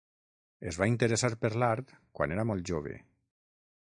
Es va interessar per l'art quan era molt jove.